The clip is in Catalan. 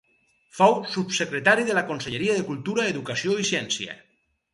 Fou subsecretari de la Conselleria de Cultura, Educació i Ciència.